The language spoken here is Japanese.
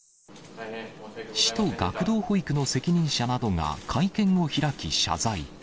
市と学童保育の責任者などが会見を開き、謝罪。